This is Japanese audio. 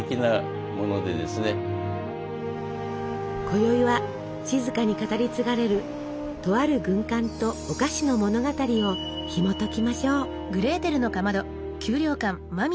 こよいは静かに語り継がれるとある軍艦とお菓子の物語をひもときましょう。